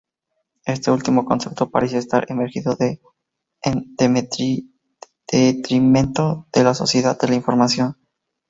Este último concepto parecería estar emergiendo en detrimento de la sociedad de la información.